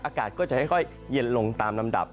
อากาศก็จะค่อยเย็นลงตามลำดับ